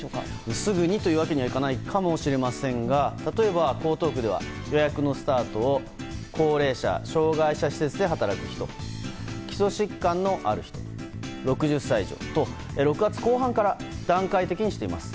すぐにというわけにはいかないかもしれませんが例えば、江東区では予約のスタートを高齢者、障害者施設で働く人基礎疾患のある人６０歳以上と６月後半から段階的にしています。